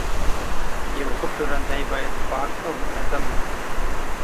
یو ښه پلورنځی باید پاک او منظم وي.